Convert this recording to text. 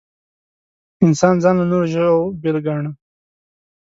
انسان ځان له نورو ژوو بېل ګاڼه.